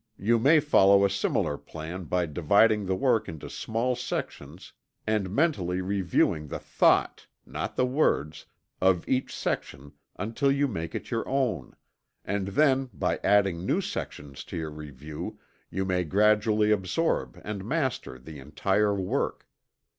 you may follow a similar plan by dividing the work into small sections and mentally reviewing the thought (not the words) of each section until you make it your own; and then by adding new sections to your review, you may gradually absorb and master the entire work.